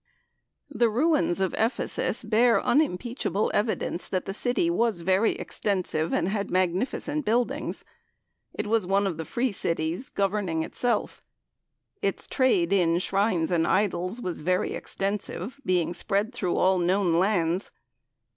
The ruins of Ephesus bear unimpeachable evidence that the City was very extensive and had magnificent buildings. It was one of the free cities, governing itself. Its trade in shrines and idols was very extensive, being spread through all known lands.